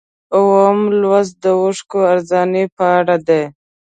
اووم لوست د اوښکو ارزاني په اړه دی.